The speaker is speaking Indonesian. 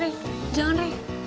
reh jangan reh